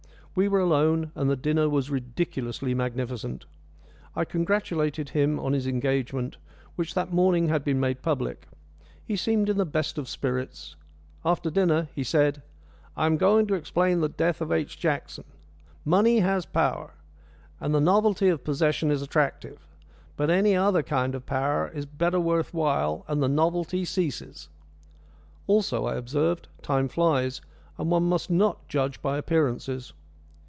We were alone, and the dinner was ridiculously magnificent. I congratulated him on his engagement, which that morning had been made public. He seemed in the best of spirits. After dinner he said: "I am going to explain the death of H. Jackson. Money has power, and the novelty of possession is attractive. But any other kind of power is better worth while, and the novelty ceases." "Also," I observed, "time flies, and one must not judge by appearances."